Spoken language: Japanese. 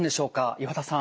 岩田さん。